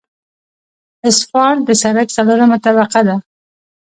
اسفالټ د سرک څلورمه طبقه ده